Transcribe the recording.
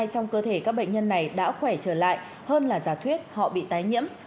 trong cơ thể các bệnh nhân này đã khỏe trở lại hơn là giả thuyết họ bị tái nhiễm